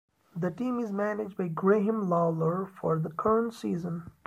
The team is managed by Graham Lawlor for the current season.